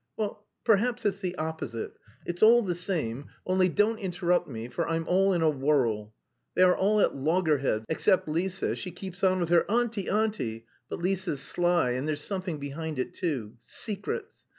"Well, perhaps it's the opposite; it's all the same, only don't interrupt me, for I'm all in a whirl. They are all at loggerheads, except Lise, she keeps on with her 'Auntie, auntie!' but Lise's sly, and there's something behind it too. Secrets.